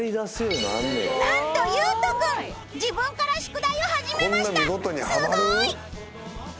なんとゆうとくん自分から宿題を始めました！